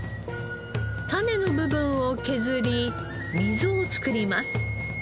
種の部分を削り溝を作ります。